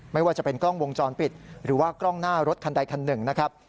ไม่ว่าจะเป็นกล้องวงจรปิดหรือว่ากล้องหน้ารถคันใดคันหนึ่งนะครับ